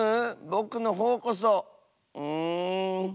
ぼくのほうこそうん。